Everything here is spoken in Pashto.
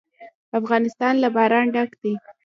افغانستان له باران ډک دی.